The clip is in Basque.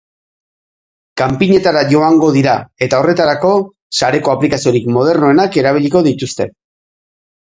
Kanpinetara joango dira eta horretarako, sareko aplikaziorik modernoenak erabiliko dituzte.